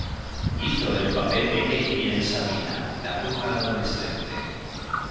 Hizo el papel de Katie en Sabrina, La Bruja Adolescente.